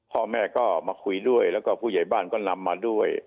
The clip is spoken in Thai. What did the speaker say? พ่อแม่ก็มาคุยด้วยแล้วก็ผู้ใหญ่บ้านก็นำมาด้วย